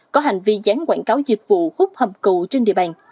có hành vi gián quảng cáo dịch vụ hút hầm cự trên địa bàn